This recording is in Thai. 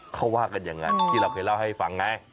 เขาว่ากันอย่างนั้นที่เราเคยเล่าให้ฟังไง